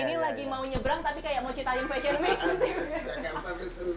ini lagi mau nyebrang tapi kayak mau citain fashion week